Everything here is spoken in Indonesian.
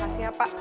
makasih ya pak